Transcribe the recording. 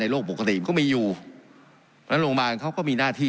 ในโรคปกติก็ไม่อยู่แล้วโรคโรคบ้านเขาก็มีหน้าที่